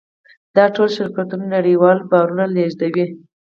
دا ټول شرکتونه نړیوال بارونه لېږدوي.